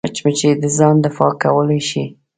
مچمچۍ د ځان دفاع کولی شي